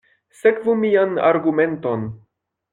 Sekvu mian argumenton.